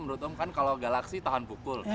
menurut om kan kalau galaksi tahan pukul